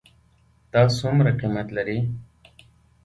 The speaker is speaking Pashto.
دا څومره قیمت لري ?